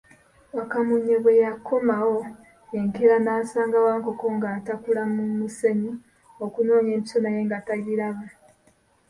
Wakamunye bwe yakomawo enkeera, n'asanga Wankoko ng'atakula mu musenyu okunoonya empiso naye nga tagiraba.